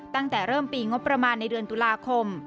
ตั้งแต่เริ่มปีงบประมาณในเดือนตุลาคม